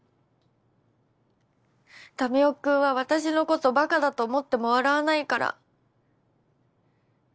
民生君は私のことバカだと思っても笑わないから。